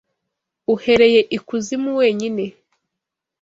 Uhereye ikuzimu wenyine